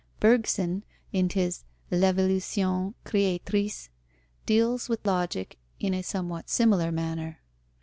Bergson in his L'Evolution Créatrice deals with logic in a somewhat similar manner.